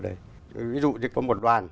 ở đây ví dụ có một đoàn